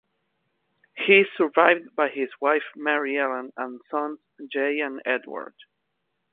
He is survived by his wife Mary Ellen and sons Jay and Edward.